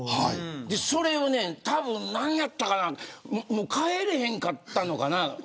それを多分何やったかなもう帰れへんかったのかな。